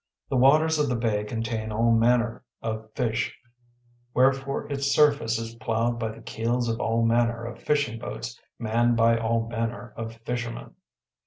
The waters of the bay contain all manner of fish, wherefore its surface is ploughed by the keels of all manner of fishing boats manned by all manner of fishermen.